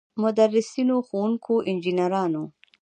مدرسینو، ښوونکو، انجنیرانو.